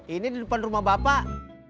ini di depan rumah bapak